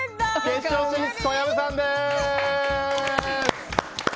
決勝進出、小籔さんです！